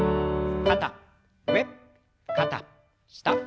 肩上肩下。